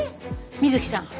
美月さん